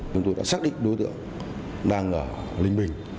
chúng tôi đã xác định đối tượng đang ở linh bình